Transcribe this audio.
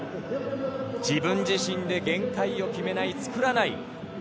自分自身で限界を決めない作らない。